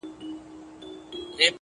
پوهه د انتخابونو کیفیت لوړوي!